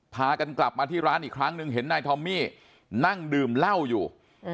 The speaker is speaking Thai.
พากันกลับมาที่ร้านอีกครั้งหนึ่งเห็นนายทอมมี่นั่งดื่มเหล้าอยู่